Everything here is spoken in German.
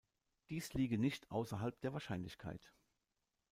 Dies liege nicht außerhalb der Wahrscheinlichkeit.